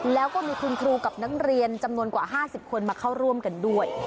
แล้วก็มีคุณครูกับนักเรียนจำนวนกว่า๕๐คนมาเข้าร่วมกันด้วย